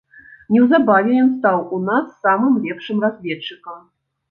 Неўзабаве ён стаў у нас самым лепшым разведчыкам.